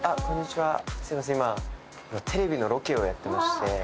今テレビのロケをやってまして。